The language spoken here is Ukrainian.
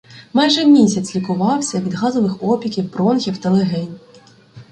Майже місяць лікувався від газових опіків бронхів та легень.